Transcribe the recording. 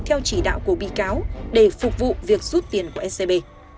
theo chỉ đạo của bị cáo để phục vụ việc rút tiền của scb